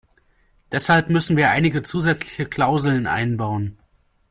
Deshalb müssen wir einige zusätzliche Klauseln einbauen.